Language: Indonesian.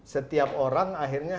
setiap orang akhirnya